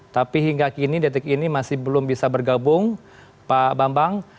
tapi hingga kini detik ini masih belum bisa bergabung pak bambang